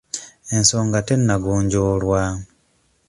Ensonga tennagonjoolwa.